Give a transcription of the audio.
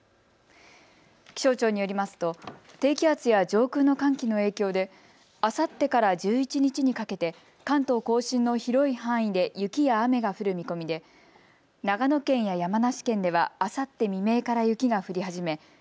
気象庁によりますと低気圧や上空の寒気の影響であさってから１１日にかけて関東甲信の広い範囲で雪や雨が降る見込みで長野県や山梨県ではあさって未明から雪が降り始め